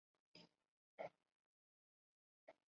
血见愁为唇形科香科科属下的一个种。